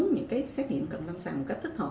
các bạn có thể xét nghiệm cần lâm sàng một cách thích hợp